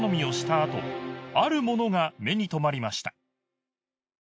あとあるものが目に留まりました